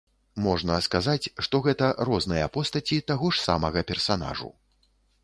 Можна сказаць, што гэта розныя постаці таго ж смага персанажу.